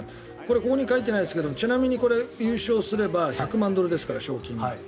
ここには書いていないんですがちなみに優勝すれば賞金は１００万ドルですから。